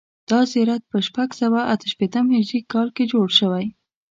دا زیارت په شپږ سوه اته شپېتم هجري کال کې جوړ شوی.